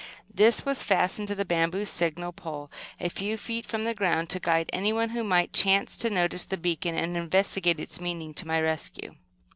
This was fastened to the bamboo signal pole, a few feet from the ground, to guide anyone who might chance to notice the beacon and investigate its meaning, to my rescue.